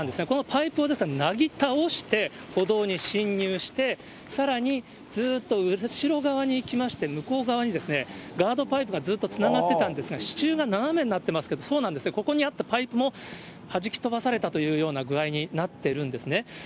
このパイプを、ですからなぎ倒して、歩道に進入して、さらにずっと後ろ側に行きまして、向こう側にガードパイプがずっとつながってたんですが、支柱が斜めになってますけど、そうなんですね、ここにあったパイプも弾き飛ばされたというような具合になってるんですね。